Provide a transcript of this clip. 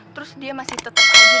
terus dia masih tetep lagi diketin rum